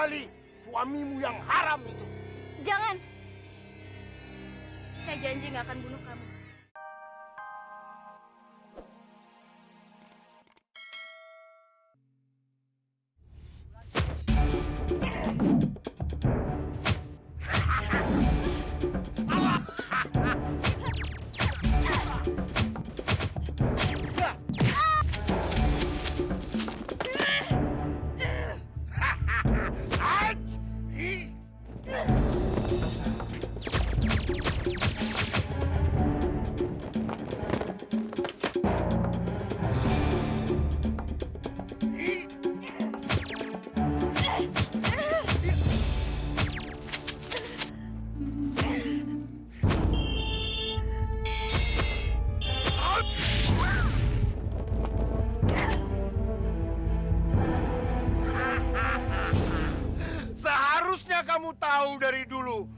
silahkan silahkan saja saya dibunuh